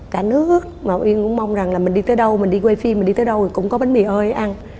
cả nước mà yên cũng mong rằng là mình đi tới đâu mình đi quay phim mình đi tới đâu mình cũng có bánh mì ơi ăn